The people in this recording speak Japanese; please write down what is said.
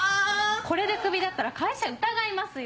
これでクビだったら会社疑いますよ。